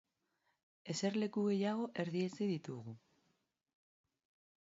Eserleku gehiago erdietsi ditugu.